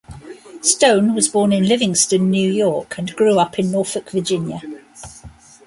Stone was born in Livingstone, New York and grew up in Norfolk, Virginia.